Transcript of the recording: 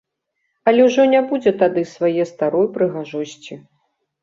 Але ўжо не будзе тады свае старой прыгожасці.